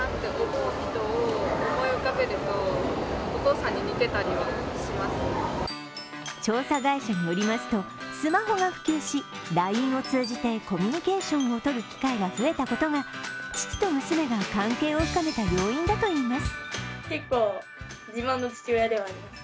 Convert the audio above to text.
更に調査会社によりますと、スマホが普及しＬＩＮＥを通じてコミュニケーションをとる機会が増えたことが父と娘が関係を深めた要因だといいます。